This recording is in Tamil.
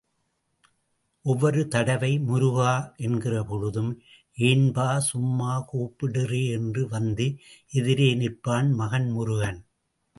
ஒவ்வொரு தடவை முருகா என்கிறபொழுதும், ஏன்பா சும்மா கூப்புடுறெ என்று வந்து எதிரே நிற்பான் மகன் முருகன்.